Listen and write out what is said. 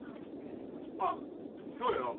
あっ今日よ